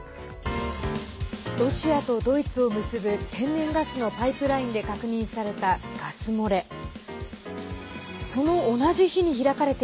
ロシアとドイツを結ぶ天然ガスのパイプラインで確認されたガス漏れ。